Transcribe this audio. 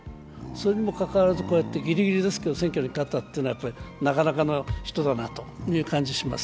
それにもかかわらず、こうやってギリギリですけど選挙に勝ったというのは、なかなかの人だなと思います。